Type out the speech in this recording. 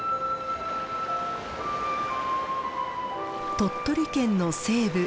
鳥取県の西部。